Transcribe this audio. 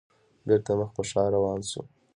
بېرته مخ په ښار روان شوو.